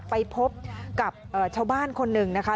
ไปพบกับชาวบ้านคนหนึ่งนะคะ